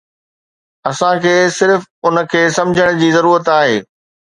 اسان کي صرف ان کي سمجهڻ جي ضرورت آهي